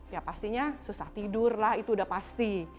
ya pastinya susah tidur lah itu udah pasti